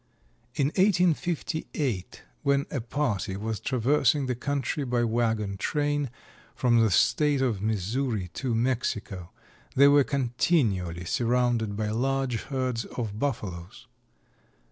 In 1858, when a party was traversing the country by wagon train from the state of Missouri to Mexico, they were continually surrounded by large herds of Buffaloes.